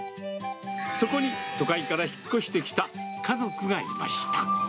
そこに、都会から引っ越してきた家族がいました。